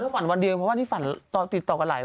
ฝันวันเดียวเพราะว่าที่ฝันติดต่อกันหลายคน